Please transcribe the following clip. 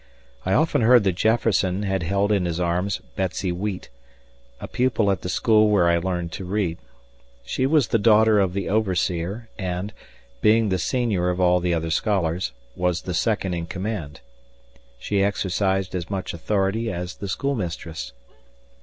I often heard that Jefferson had held in his arms Betsy Wheat, a pupil at the school where I learned to read. She was the daughter of the overseer and, being the senior of all the other scholars, was the second in command. She exercised as much authority as the schoolmistress.